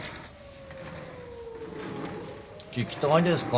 聞きたいですか？